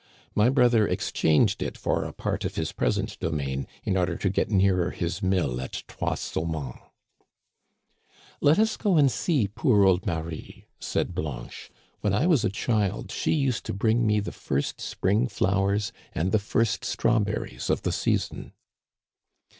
"My brother exchanged it for a part of his present domain, in order to get nearer his mill at Trois Saumons." •' Let us go and see poor old Marie," said Blanche. "When I was a child she used to bring me the first spring flowers and the first strawberries of the season."